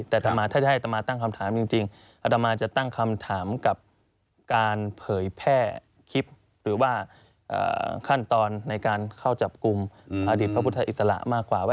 แต่ถ้าจะให้อัตมาตั้งคำถามจริงอัตมาจะตั้งคำถามกับการเผยแพร่คลิปหรือว่าขั้นตอนในการเข้าจับกลุ่มอดีตพระพุทธอิสระมากกว่าว่า